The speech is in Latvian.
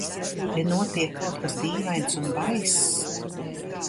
Te notiek kaut kas dīvains un baiss...